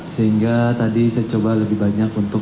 sehingga tadi saya coba lebih banyak untuk